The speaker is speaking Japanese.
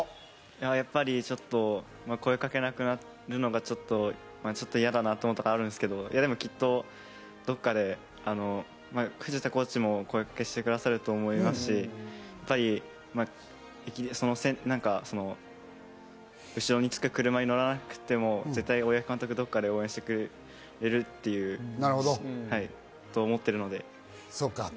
やっぱりちょっと声かけがなくなるのがちょっと嫌だなというところがあるんですけど、きっとどこかで藤田コーチも声かけしてくださると思いますし、後ろにつく車に乗らなくても、絶対大八木監督はどこかで応援してくれてるってそう思ってるので。